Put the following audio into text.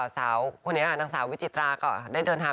สาวข้านิกานางสาววิจิตราก็ได้เดินทาง